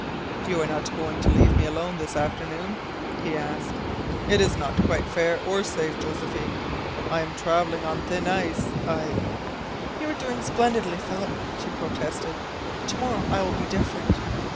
"You are not going to leave me alone this afternoon?" he asked. "It is not quite fair, or safe, Josephine. I am travelling on thin ice. I " "You are doing splendidly, Philip," she protested. "To morrow I will be different.